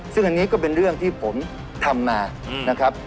ซึ่งอันนี้ก็เป็นเรื่องที่ผมทำมานะครับ